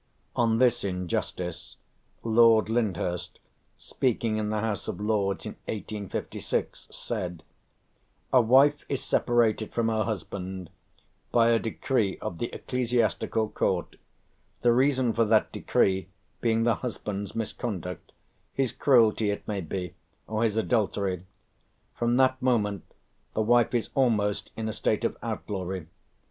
On this injustice Lord Lyndhurst, speaking in the House of Lords in 1856, said: "A wife is separated from her husband by a decree of the Ecclesiastical Court, the reason for that decree being the husband's misconduct his cruelty, it may be, or his adultery. From that moment the wife is almost in a state of outlawry.